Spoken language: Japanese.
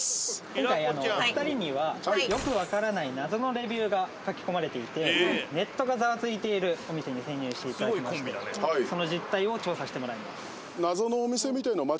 今回お二人にはよくわからない謎のレビューが書き込まれていてネットがざわついているお店に潜入していただきましてその実態を調査してもらいます。